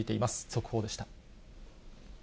速報でした。